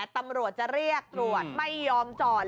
ตำรวจจะเรียกตรวจไม่ยอมจอด